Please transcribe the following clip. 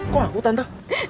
kok aku tante